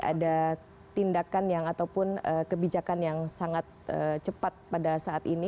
ada tindakan yang ataupun kebijakan yang sangat cepat pada saat ini